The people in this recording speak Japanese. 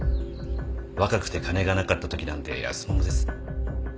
若くて金がなかったときなんで安物です。